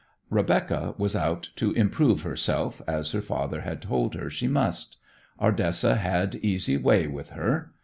Rebecca was out to "improve herself," as her father had told her she must. Ardessa had easy way with her.